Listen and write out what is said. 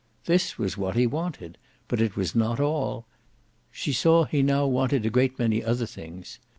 This was what he wanted, but it was not all; she saw he now wanted a great many other things.